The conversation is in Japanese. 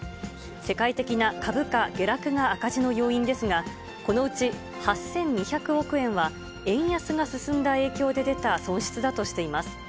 世界的な株価下落が赤字の要因ですが、このうち８２００億円は、円安が進んだ影響で出た損失だとしています。